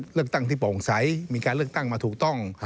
เลือกตั้งที่โปร่งใสมีการเลือกตั้งมาถูกต้อง